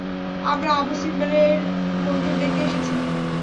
আমরা আবু সিম্বেলের মন্দির দেখতে এসেছি!